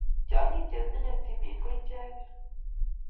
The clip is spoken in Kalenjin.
tiongik che menyei timin ko che ichegei